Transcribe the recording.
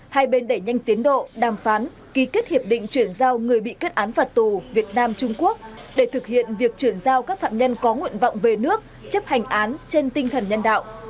hai bên đẩy nhanh tiến độ đàm phán ký kết hiệp định chuyển giao người bị kết án phạt tù việt nam trung quốc để thực hiện việc chuyển giao các phạm nhân có nguyện vọng về nước chấp hành án trên tinh thần nhân đạo